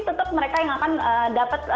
tetap mereka yang akan dapat